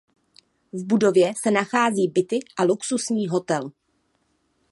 V budově se nachází byty a luxusní hotel.